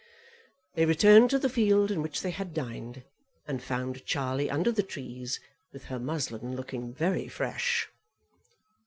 They returned to the field in which they had dined, and found Charlie under the trees, with her muslin looking very fresh.